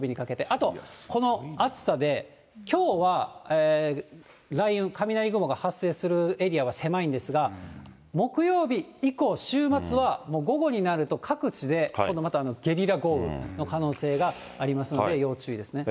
あと、この暑さで、きょうは雷雲、かみなり雲が発生するエリアは狭いんですが、木曜日以降、週末はもう午後になると、各地で、今度またゲリラ豪雨の可能性がありますので要注意ですね。